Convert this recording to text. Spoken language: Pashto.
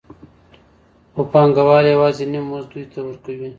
خو پانګوال یوازې نیم مزد دوی ته ورکوي